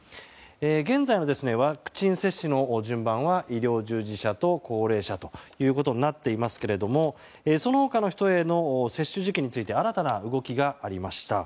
現在のワクチン接種の順番は医療従事者と高齢者となっていますがその他の人への接種時期について新たな動きがありました。